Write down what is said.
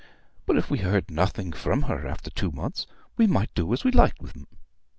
But if we heard nothing from her after two months, we might do as we liked with 'em."